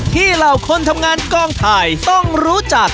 ที่เหล่าคนทำงานกล้องไทยต้องรู้จัก